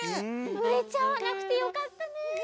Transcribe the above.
うれちゃわなくてよかったね。